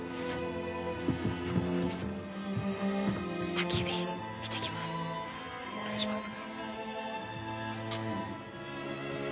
たき火見てきますお願いします